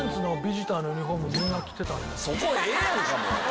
そこええやんか。